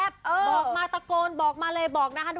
บอกมาตะโกนบอกมาเลยบอกนะคะ